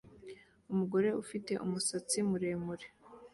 Umusore ufite umusatsi muremure